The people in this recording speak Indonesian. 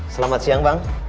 selamat siang bang